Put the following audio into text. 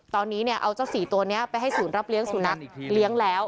ตอนนี้เนี่ยเอาเจ้าสี่ตัวเนี่ยไปให้ศูนย์รับเลี้ยงศูนย์นักเลี้ยงแล้ว